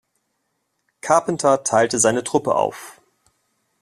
Carpenter teilte seine Truppe auf.